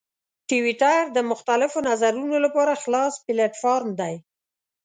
ټویټر د مختلفو نظرونو لپاره خلاص پلیټفارم دی.